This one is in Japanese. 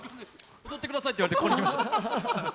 踊ってくださいって言われてここにいました。